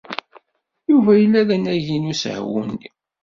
Yuba yella d anagi deg usehwu-nni.